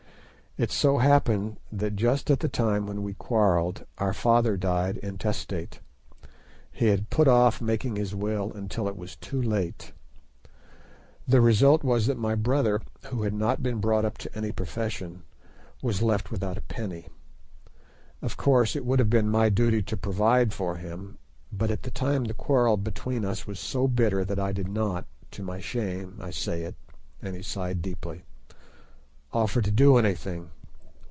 It so happened that just at the time when we quarrelled our father died intestate. He had put off making his will until it was too late. The result was that my brother, who had not been brought up to any profession, was left without a penny. Of course it would have been my duty to provide for him, but at the time the quarrel between us was so bitter that I did not—to my shame I say it (and he sighed deeply)—offer to do anything.